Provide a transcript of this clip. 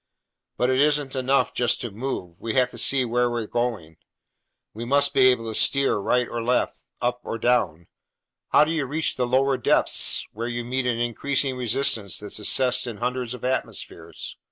But it isn't enough just to move, we have to see where we're going! We must be able to steer right or left, up or down! How do you reach the lower depths, where you meet an increasing resistance that's assessed in hundreds of atmospheres?